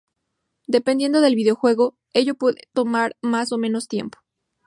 Dependiendo del videojuego, ello puede tomar más o menos tiempo.